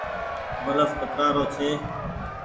بلڦ ڪترآ رو ڇي۔